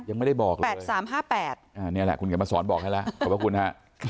ยังไม่ได้บอกเลย๘๓๕๘นี่แหละคุณกันมาสอนบอกให้ละขอบคุณค่ะ